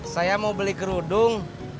saya mau beli kerudung